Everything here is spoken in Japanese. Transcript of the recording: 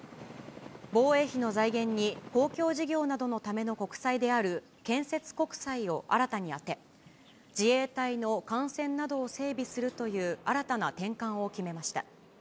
防衛費の財源に公共事業などのための国債である建設国債を新たに充て、自衛隊の艦船などを整備するという新たな転換を決めました。